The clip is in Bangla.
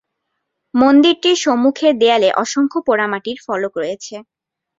মন্দিরটির সম্মুখের দেয়ালে অসংখ্য পোড়ামাটির ফলক রয়েছে।